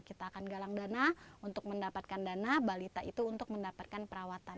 kita akan galang dana untuk mendapatkan dana balita itu untuk mendapatkan perawatan